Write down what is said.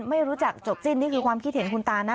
ไม่รู้จักจบสิ้นนี่คือความคิดเห็นคุณตานะ